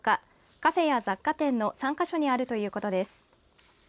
カフェや雑貨店の３か所にあるということです。